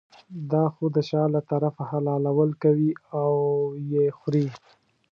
دا خو د شا له طرفه حلالول کوي او یې خوري.